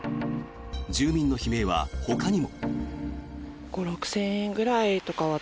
住民の悲鳴はほかにも。